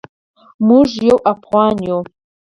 موږ یو افغان یو.